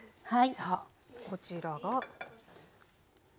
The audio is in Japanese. さあこちらが。